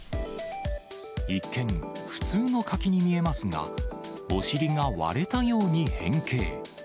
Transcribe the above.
一見、普通の柿に見えますが、お尻が割れたように変形。